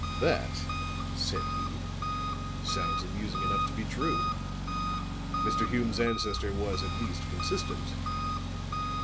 "That," said he, "sounds amusing enough to be true. Mr. Hume's ancestor was at least consistent.